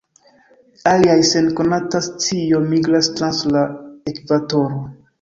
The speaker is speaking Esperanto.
Aliaj sen konata scio migras trans la Ekvatoro.